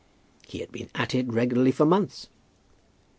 "He had been at it regularly for months."